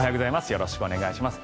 よろしくお願いします。